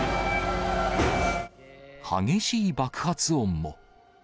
激しい爆発音も。